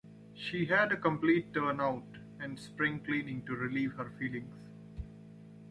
She had a complete turn out and spring-cleaning, to relieve her feelings.